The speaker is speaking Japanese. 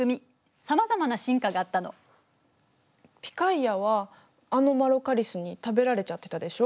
ピカイアはアノマロカリスに食べられちゃってたでしょ。